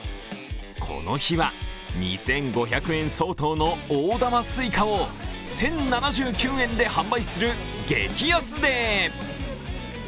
この日は２５００円相当の大玉すいかを１０７９円で販売する激安デー。